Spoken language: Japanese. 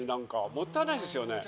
もったいないですよね。